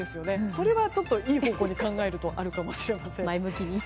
それはいい方向に考えるとあるかもしれません。